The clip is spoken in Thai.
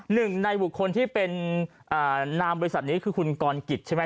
หนึ่งในบุคคลที่เป็นนามบริษัทนี้คือคุณกรกิจใช่ไหม